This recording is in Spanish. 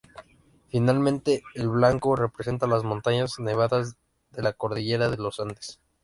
Finalmente, el blanco representa las montañas nevadas de la cordillera de los Andes.